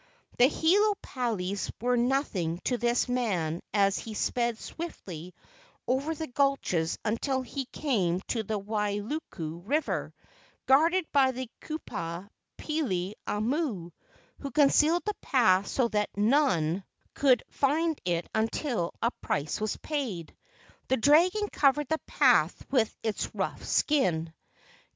The Hilo palis were nothing to this man as he sped swiftly over the gulches until he came to the Wailuku River guarded by the kupua Pili a mo o, who concealed the path so that none 198 LEGENDS OF GHOSTS could find it until a price was paid. The dragon covered the path with its rough skin.